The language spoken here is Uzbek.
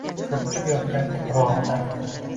Ko‘pchib yotgan tuprog‘idan